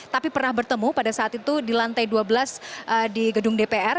tapi pernah bertemu pada saat itu di lantai dua belas di gedung dpr